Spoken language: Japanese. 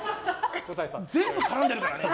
全部、絡んでるからね。